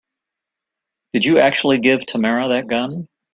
Did you actually give Tamara that gun?